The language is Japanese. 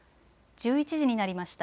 １１時になりました。